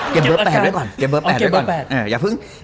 เก็บเบอร์๘ด้วยก่อน